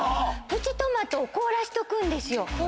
プチトマトを凍らせとくんですよ。